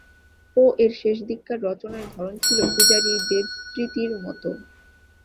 পো-এর শেষদিককার রচনার ধরন ছিল পূজারির দেবস্তৃতির মতো।